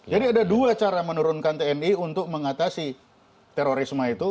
jadi ada dua cara menurunkan tni untuk mengatasi terorisme itu